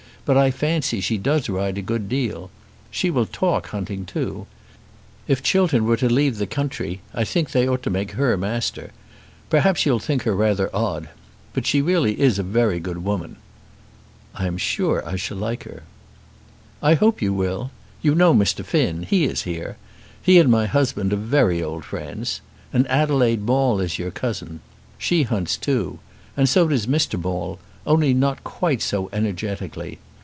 But I fancy she does ride a good deal. She will talk hunting too. If Chiltern were to leave the country I think they ought to make her master. Perhaps you'll think her rather odd; but really she is a very good woman." "I am sure I shall like her." "I hope you will. You know Mr. Finn. He is here. He and my husband are very old friends. And Adelaide Maule is your cousin. She hunts too. And so does Mr. Maule, only not quite so energetically.